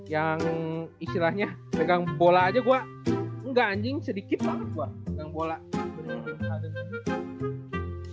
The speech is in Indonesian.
yang istilahnya pegang bola aja gua enggak anjing sedikit banget gua pegang bola